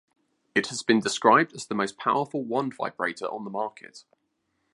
It has been described as the most powerful wand vibrator on the market.